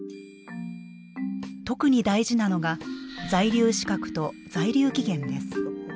特に大事なのが在留資格と在留期限です。